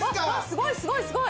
すごいすごいすごい！